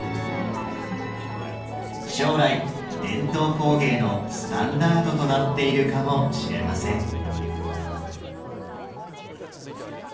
将来伝統工芸のスタンダードとなっているかもしれません。